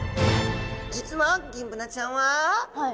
実はギンブナちゃんはなんと！